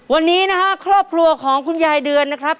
วันนี้นะฮะครอบครัวของคุณยายเดือนนะครับ